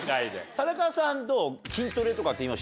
田中さんどう？